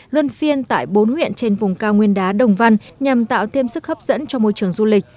luân phiên tại bốn huyện trên vùng cao nguyên đá đồng văn nhằm tạo thêm sức hấp dẫn cho môi trường du lịch